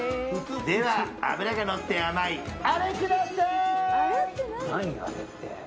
では脂がのって甘いあれください！